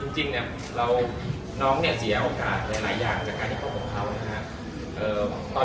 จริงเนี่ยน้องเนี่ยเสียโอกาสหลายอย่างจากการที่คบของเขานะครับ